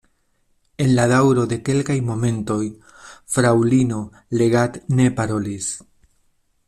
En la daŭro de kelkaj momentoj fraŭlino Leggat ne parolis.